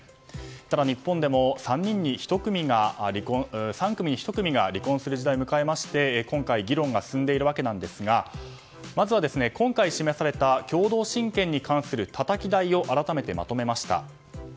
ただ日本でも３組に１組が離婚する時代を迎えまして今回、議論が進んでいるわけなんですがまずは今回、示された共同親権に関するたたき台を改めてまとめました。